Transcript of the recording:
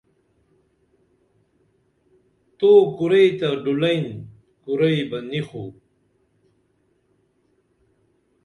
تو کُریئی تہ ڈُلیئن کُریئی بہ نی خو